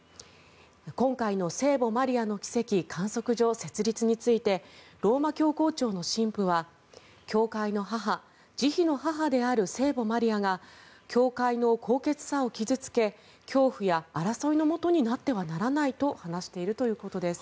今回の聖母マリアの奇跡観測所設立についてローマ教皇庁の神父は教会の母、慈悲の母である聖母マリアが教会の高潔さを傷付け恐怖や争いのもとになってはならないと話しているということです。